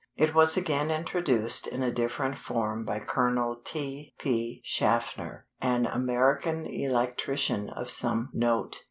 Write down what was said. It was again introduced in a different form by Colonel T. P. Shaffner, an American electrician of some note.